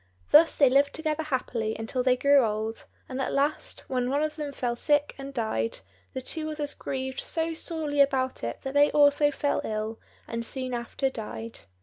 Thus they lived together happily until they grew old; and at last, when one of them fell sick and died, the two others grieved so sorely about it that they also fell ill, and soon after died.